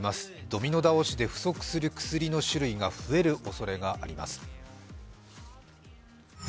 ドミノ倒しで不足する薬の種類が増えるおそれがあります。